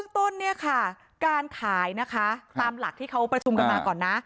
ต้นเนี่ยค่ะการขายนะคะตามหลักที่เขาประชุมกันมาก่อนนะ